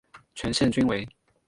全线均为。